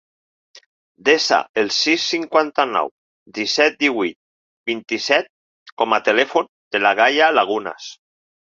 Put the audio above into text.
Desa el sis, cinquanta-nou, disset, divuit, vint-i-set com a telèfon de la Gaia Lagunas.